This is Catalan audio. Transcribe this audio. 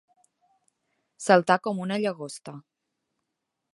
Saltar com una llagosta.